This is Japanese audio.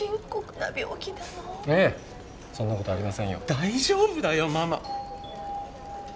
大丈夫だよママ。